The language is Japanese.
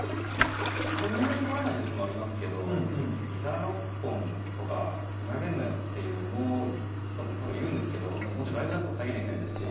こんなにとらない時もありますけどギター６本とかふざけんなよって思う人も多分いるんですけどもちろんライブだと再現できないですし。